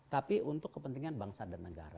tapi untuk kepentingan bangsa dan negara